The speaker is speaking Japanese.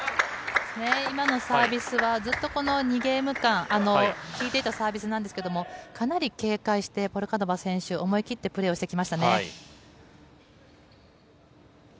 今のサービスはずっと、この２ゲーム間効いていたサービスなんですがかなり警戒してポルカノバ選手は思い切ったプレーをしてきましたね。